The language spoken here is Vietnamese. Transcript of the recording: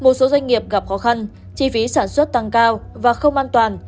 một số doanh nghiệp gặp khó khăn chi phí sản xuất tăng cao và không an toàn